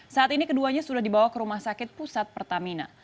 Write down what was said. saat ini keduanya sudah dibawa ke rumah sakit pusat pertamina